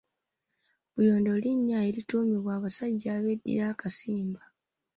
Buyondo linnya erituumibwa abasajja ab'eddira akasimba.